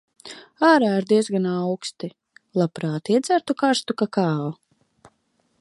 Ārā ir diezgan auksti. Labprāt iedzertu karstu kakao.